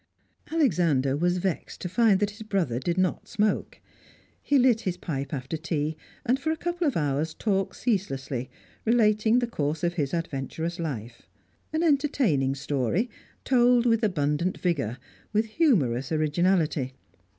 Alexander was vexed to find that his brother did not smoke. He lit his pipe after tea, and for a couple of hours talked ceaselessly, relating the course of his adventurous life; an entertaining story, told with abundant vigour, with humorous originality.